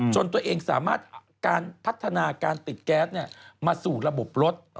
จนตัวเองสามารถการพัฒนาการติดแก๊สมาสู่ระบบรถ